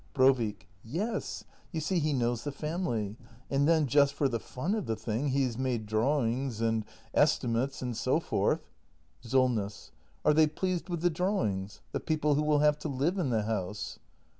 Brovik. Yes. You see, he knows the family. And then — just for the fun of the thing — he has made drawings and es timates and so forth Solness. Are they pleased with the drawings ? The people who will have to live in the house